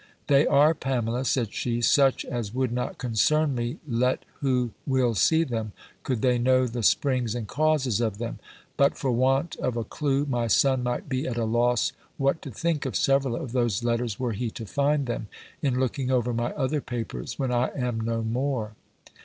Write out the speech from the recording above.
"They are, Pamela," said she, "such as would not concern me, let who will see them, could they know the springs and causes of them; but, for want of a clue, my son might be at a loss what to think of several of those letters were he to find them, in looking over my other papers, when I am no more."